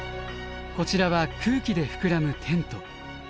こちらは空気で膨らむテント。